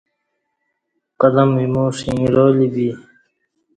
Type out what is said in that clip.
قلم ایمو ݜݣرالی بی